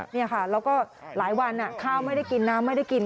นี่ค่ะแล้วก็หลายวันข้าวไม่ได้กินน้ำไม่ได้กิน